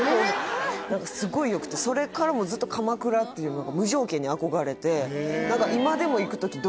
何かすごい良くてそれからもずっと鎌倉っていうものが無条件に憧れてへえ何かあっ